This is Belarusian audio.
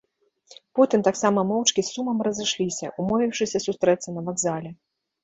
Потым таксама моўчкі з сумам разышліся, умовіўшыся сустрэцца на вакзале.